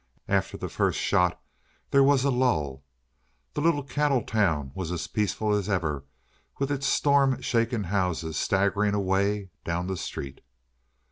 After the first shot there was a lull. The little cattle town was as peaceful as ever with its storm shaken houses staggering away down the street.